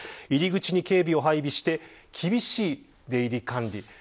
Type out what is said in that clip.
入り口に警備を配備して厳しい出入り管理。